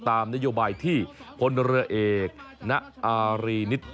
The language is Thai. ตามนโยบายที่พลเรือเอกณอารีนิต